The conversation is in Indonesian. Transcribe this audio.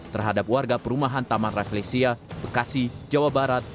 terhadap warga perumahan taman refleksia bekasi jawa barat